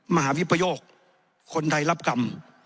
มหาวิปโยคคนไทยรับกรรม